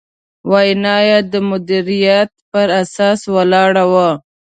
وینا یې د مدیریت په اساس ولاړه وه.